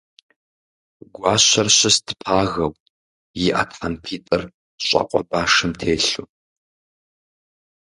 Гуащэр щыст пагэу, и Ӏэ тхьэмпитӀыр щӀакъуэ башым телъу.